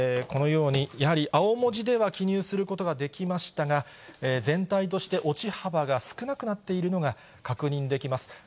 このようにやはり、青文字では記入することができましたが、全体として落ち幅が少なくなっているのが確認できます。